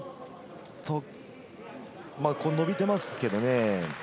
伸びていますけどね。